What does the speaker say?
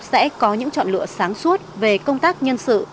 sẽ có những chọn lựa sáng suốt về công tác nhân sự